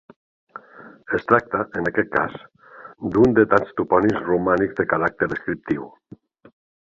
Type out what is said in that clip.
Es tracta, en aquest cas, d'un de tants topònims romànics de caràcter descriptiu.